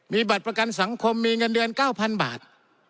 มีบัตรประกันสังคมมีเงินเดือน๙๐๐บาท